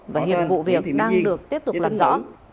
và hiệp vụ việc đang được tiếp tục làm rõ